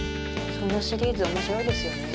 そのシリーズ面白いですよね。